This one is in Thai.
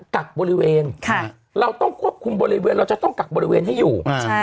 กักบริเวณเราต้องควบคุมบริเวณเราจะต้องกักบริเวณให้อยู่